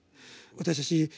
私たち